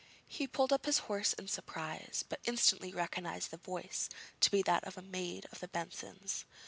He pulled up his horse in surprise, but instantly recognised the voice to be that of a maid of the Bensons.